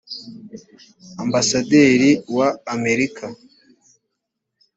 ambasaderi wa amerika